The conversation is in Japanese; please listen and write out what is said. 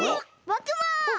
ぼくも！